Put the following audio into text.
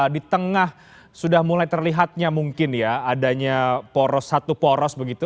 di tengah sudah mulai terlihatnya mungkin ya adanya poros satu poros begitu